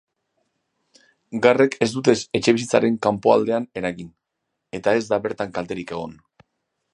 Garrek ez dute etxebizitzaren kanpoaldean eragin, eta ez da bertan kalterik egon.